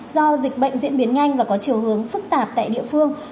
do dịch bệnh diễn biến nhanh và có chiều hướng phức tạp tại địa phương